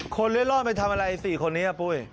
เล่ร่อนไปทำอะไร๔คนนี้ปุ้ย